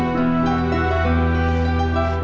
semoga tak sampai